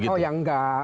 oh ya enggak